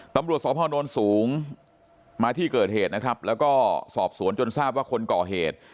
ตำรวจสพนสูงมาที่เกิดเหตุนะครับแล้วก็สอบสวนจนทราบว่าคนก่อเหตุ